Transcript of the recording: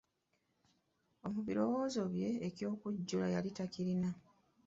Mu biroowozo bye eky'okujjula yali takirina.